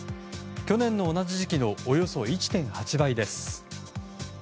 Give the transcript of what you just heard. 去年の同じ時期のおよそ１．８倍です。